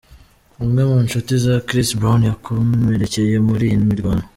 Umwe mu nshuti za Chris Brown yakomerekeye muri iyi mirwano.